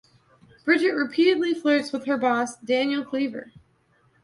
Bridget repeatedly flirts with her boss, Daniel Cleaver.